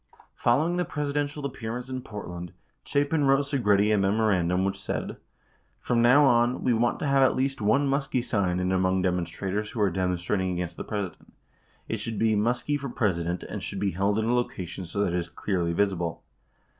163 Following the Presidential appearance in Portland, Chapin wrote Segretti a memorandum which said : From now on, we want to have at least one Muskie sign in among demonstrators who are demonstrating against the President. It should be "Muskie for President" and should be held in a location so that, it is clearly visible.